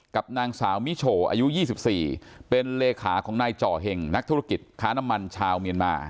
กับนางสาวมิโฉอายุ๒๔เป็นเลขาของนายจ่อเห่งนักธุรกิจค้าน้ำมันชาวเมียนมา